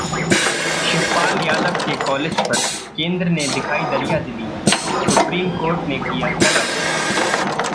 शिवपाल यादव के कॉलेज पर केंद्र ने दिखाई दरियादिली, सुप्रीम कोर्ट ने किया तलब